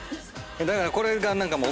だからこれが何かもう。